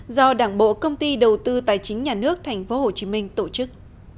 do đảng bộ công ty đầu tư tài chính nhà nước tp hcm tổ chức